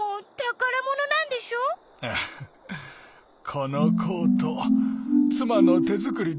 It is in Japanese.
このコートつまのてづくりでね